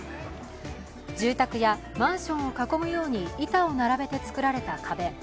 住宅やマンションを囲むように板を並べて作られた壁。